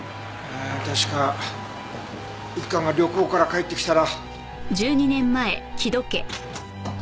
確か一家が旅行から帰ってきたら。